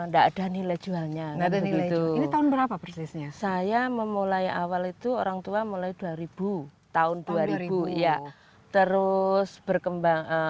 jadi saya mencari talas ini dari awal saya mulai dari tahun dua ribu tahun dua ribu ya terus berkembang